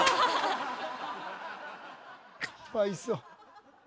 ⁉かわいそう。